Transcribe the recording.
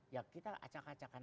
ya kita acak acakan